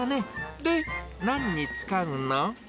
で、なんに使うの？